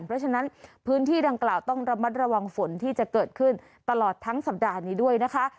เพราะฉะนั้นพื้นที่ดังกล่าวต้องระมัดระวังฝนที่จะเกิดขึ้นตลอดทั้งสัปดาห์นี้ด้วยนะคะ